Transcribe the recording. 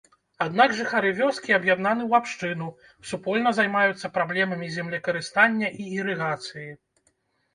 Аднак жыхары вёскі аб'яднаны ў абшчыну, супольна займаюцца праблемамі землекарыстання і ірыгацыі.